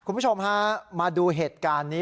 คุณผู้ชมฮะมาดูเหตุการณ์นี้